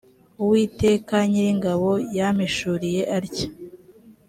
uwiteka nyiringabo yampishuriye atya